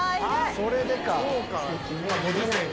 それでか。